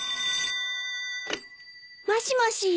☎もしもし。